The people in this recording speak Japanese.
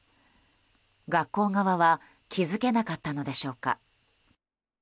学校側は気づけなかったのでしょうか。